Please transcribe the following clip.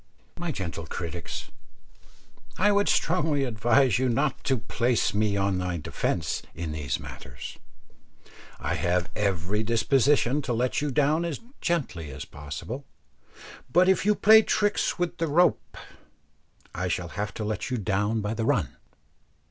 My gentle critics, I would strongly advise you not to place me on my defence in these matters; I have every disposition to let you down as gently as possible, but if you play tricks with the rope, I shall have to let you down by the run.